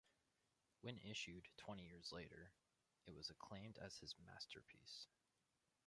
When issued twenty years later, it was acclaimed as his masterpiece.